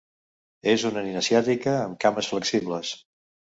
És una nina asiàtica, amb cames flexibles.